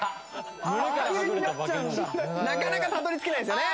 なかなかたどり着けないですよね。